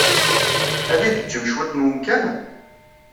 Ad iyi-d-teǧǧem cwiṭ n umkan?